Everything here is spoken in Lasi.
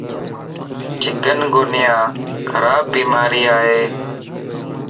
چڪن گونيا خراب بيماري ائي